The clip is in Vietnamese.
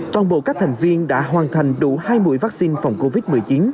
toàn bộ các thành viên đã hoàn thành đủ hai mũi vaccine phòng covid một mươi chín